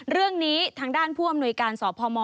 เรื่องนี้ทางด้านผู้อำนวยการสพม